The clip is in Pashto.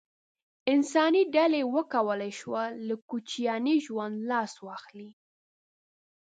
انساني ډلې وکولای شول له کوچیاني ژوند لاس واخلي.